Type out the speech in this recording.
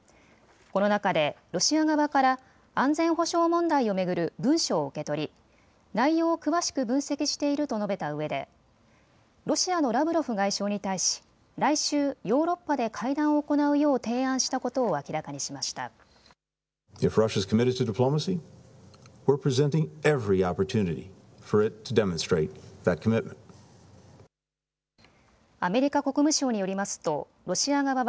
この中で、ロシア側から安全保障問題を巡る文書を受け取り内容を詳しく分析していると述べたうえでロシアのラブロフ外相に対し来週、ヨーロッパで会談を行うよう提案したことを明らかにしました。